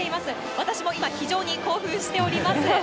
私も今、非常に興奮しております。